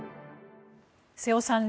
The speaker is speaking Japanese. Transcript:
瀬尾さん